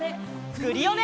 クリオネ！